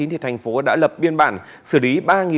thì thành phố đã lập biên bản xử lý ba bốn trăm bốn mươi bảy